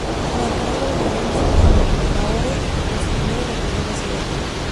Como el primer gobernador musulmán de Lahore, reconstruyó y repobló la ciudad.